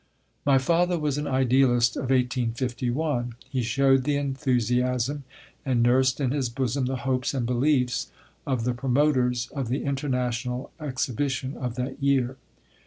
My father was an idealist of 1851; he showed the enthusiasm and nursed in his bosom the hopes and beliefs of the promoters of the International Exhibition of that year.